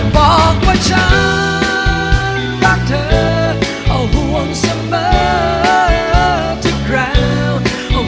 บอกว่าฉันรักเธอเอาห่วงเสมอทุกครั้ง